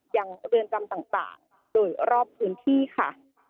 เรือนจำต่างโดยรอบพื้นที่ค่ะ